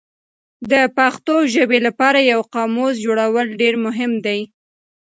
د پښتو ژبې لپاره یو قاموس جوړول ډېر مهم دي.